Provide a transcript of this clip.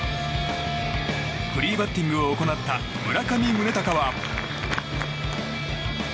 フリーバッティングを行った村上宗隆は。